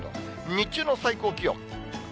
日中の最高気温。